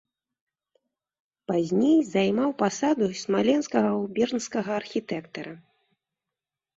Пазней займаў пасаду смаленскага губернскага архітэктара.